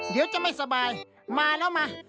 เดี๋ยวจะไม่สบายมาแล้วมา